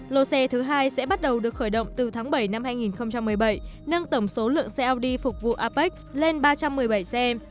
lô xe thứ hai sẽ bắt đầu được khởi động từ tháng bảy năm hai nghìn một mươi bảy nâng tổng số lượng xeo đi phục vụ apec lên ba trăm một mươi bảy xe